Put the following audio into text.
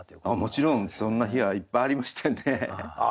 もちろんそんな日はいっぱいありましたよね。